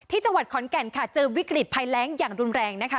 จังหวัดขอนแก่นค่ะเจอวิกฤตภัยแรงอย่างรุนแรงนะคะ